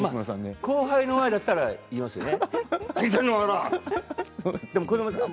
後輩だったら言いますよね